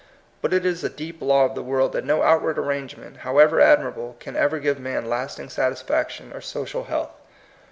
But it is a deep law of the world that no outward arrangement, how ever admirable, can ever give man lasting satisfaction or social health.